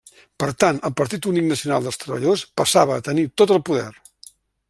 Per tant, el Partit Únic Nacional dels Treballadors passava a tenir tot el poder.